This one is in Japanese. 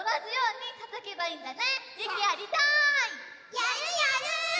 やるやる！